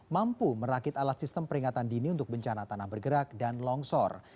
mampu merakit alat sistem peringatan dini untuk bencana tanah bergerak dan longsor